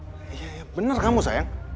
iya bener kamu sayang